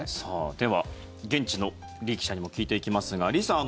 では、現地のリ記者にも聞いていきますがリさん